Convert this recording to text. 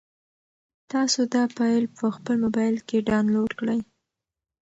تاسو دا فایل په خپل موبایل کې ډاونلوډ کړئ.